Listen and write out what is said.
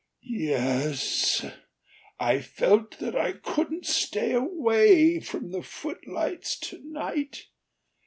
"Yes; I felt that I couldn't stay away from the footlights to night.